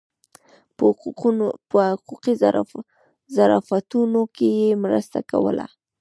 په حقوقي ظرافتونو کې یې مرسته کوله.